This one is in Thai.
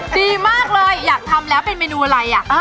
ดีมากเลยอยากทำแล้วเป็นเมนูอะไรอ่ะ